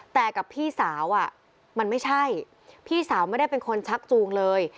แต่กับพี่สาวมันไม่ใช่พี่สาวไม่ได้เป็นคนชักจูงเลย